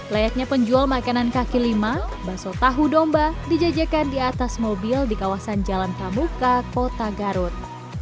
layaknya penjual makanan kaki lima baso tahu domba dijajakan di atas mobil di kawasan jalan pramuka kota garut